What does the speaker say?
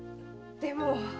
でも。